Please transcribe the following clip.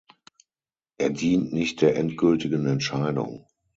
Er dient nicht der endgültigen Entscheidung.